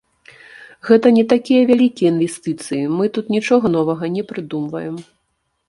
Гэта не такія вялікія інвестыцыі, мы тут нічога новага не прыдумваем.